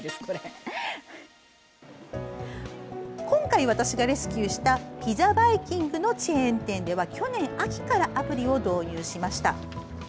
今回、私がレスキューしたピザバイキングのチェーン店では去年秋からアプリを導入しました。